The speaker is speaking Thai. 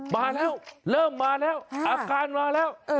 มาแล้วเริ่มมาแล้วอาการมาแล้ว